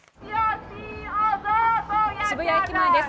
渋谷駅前です。